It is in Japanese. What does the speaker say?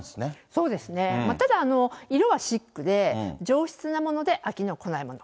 そうですね、ただ色はシックで上質なもので飽きのこないもの。